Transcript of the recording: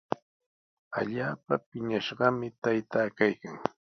Allaapa piñashqami taytaa kaykan.